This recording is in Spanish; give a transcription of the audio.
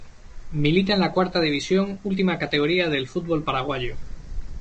Milita en la Cuarta División, última categoría del fútbol paraguayo.